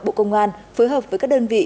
bộ công an phối hợp với các đơn vị